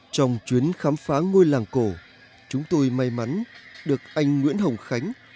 trong chuyến khám phá ngôi làng cổ chúng tôi may mắn được anh nguyễn hồng khánh